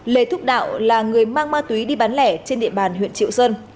lê thúc đạo là người mang ma túy đi bán lẻ trên địa bàn huyện triệu sơn